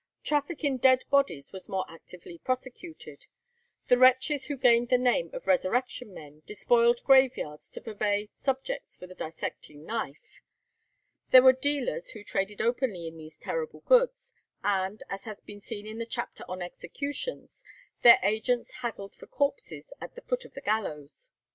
Traffic in dead bodies was more actively prosecuted. The wretches who gained the name of Resurrection men despoiled graveyards to purvey subjects for the dissecting knife. There were dealers who traded openly in these terrible goods, and, as has been seen in the chapter on executions, their agents haggled for corpses at the foot of the gallows.